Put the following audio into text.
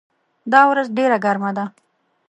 دا ورځ ډېره ګرمه ده.